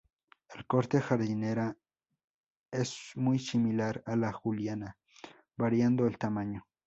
El corte jardinera es muy similar a la juliana, variando el tamaño.